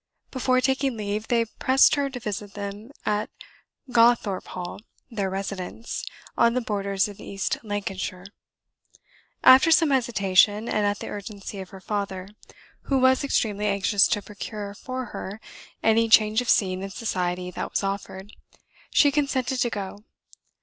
Before taking leave, they pressed her to visit them at Gawthorpe Hall, their residence on the borders of East Lancashire. After some hesitation, and at the urgency of her father, who was extremely anxious to procure for her any change of scene and society that was offered, she consented to go.